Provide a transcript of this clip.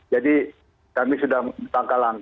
jadi kami sudah tangkalangka